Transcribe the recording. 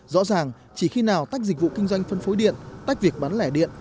rõ ràng chỉ khi nào tách dịch vụ kinh doanh phân phối điện tách việc bán lẻ điện